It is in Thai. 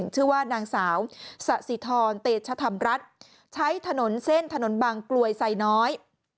ชื่อว่านางสาวสะสิทรเตชธรรมรัฐใช้ถนนเส้นถนนบางกลวยไซน้อย